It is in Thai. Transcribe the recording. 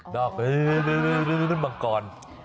ดอกลิ้นมังกร